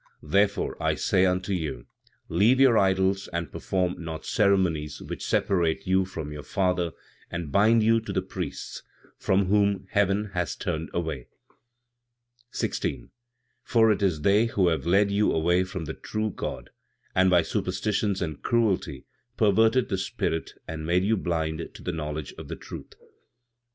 "Therefore, I say unto you, leave your idols and perform not ceremonies which separate you from your Father and bind you to the priests, from whom heaven has turned away. 16. "For it is they who have led you away from the true God, and by superstitions and cruelty perverted the spirit and made you blind to the knowledge of the truth."